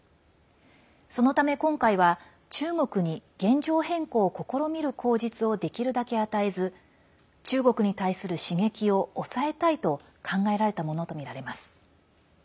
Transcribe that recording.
そのため、今回は中国に現状変更を試みる口実をできるだけ与えず中国に対する刺激を抑えたいと考えられたものとみられます。